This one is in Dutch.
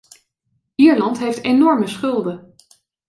Ierland heeft enorme schulden.